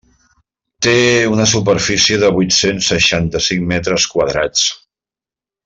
Té una superfície de vuit-cents seixanta-cinc metres quadrats.